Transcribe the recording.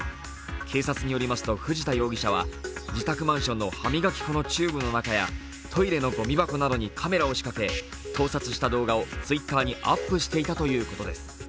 警察によりますと藤田容疑者は自宅マンションの歯磨き粉のチューブの中やトイレのごみ箱などにカメラを仕掛け、盗撮した動画をＴｗｉｔｔｅｒにアップしていたということです。